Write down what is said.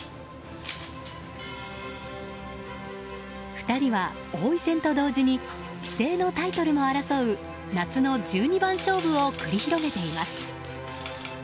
２人は王位戦と同時に棋聖のタイトルも争う夏の十二番勝負を繰り広げています。